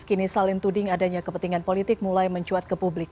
kini saling tuding adanya kepentingan politik mulai mencuat ke publik